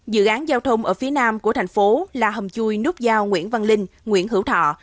dự án giao thông ở phía nam của thành phố là hầm chui nút giao nguyễn văn linh nguyễn hữu thọ